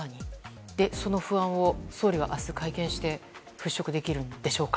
その不安を総理は明日会見して払拭できるんでしょうか。